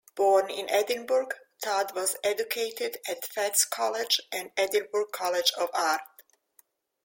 Born in Edinburgh, Todd was educated at Fettes College and Edinburgh College of Art.